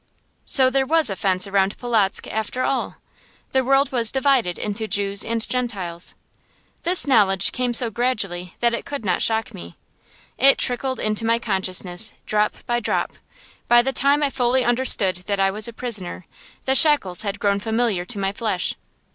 So there was a fence around Polotzk, after all. The world was divided into Jews and Gentiles. This knowledge came so gradually that it could not shock me. It trickled into my consciousness drop by drop. By the time I fully understood that I was a prisoner, the shackles had grown familiar to my flesh.